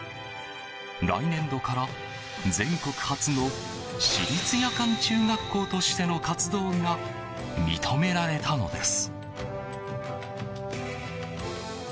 来年度から、全国初の私立夜間中学校としての活動が認められたのです。